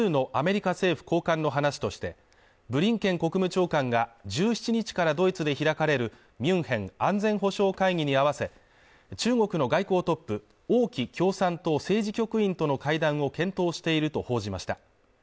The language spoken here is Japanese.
こうした中ロイター通信は複数のアメリカ政府高官の話としてブリンケン国務長官が１７日からドイツで開かれるミュンヘン安全保障会議に合わせ中国の外交トップ王毅共産党政治局員との会談を検討していると報じました